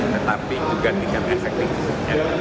tetapi juga tingkat efektif